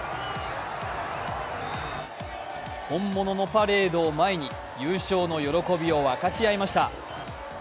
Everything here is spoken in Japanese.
本物のパレードを前に優勝の喜びを分かち合いました。